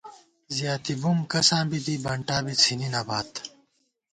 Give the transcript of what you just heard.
زیاتی بُم کساں بی دی بنٹا بی څھِنی نہ بات